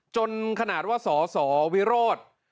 จนขนาดว่าสสวิโรธ